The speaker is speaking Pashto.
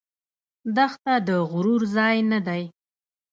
دښته د غرور ځای نه دی.